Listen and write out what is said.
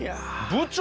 部長！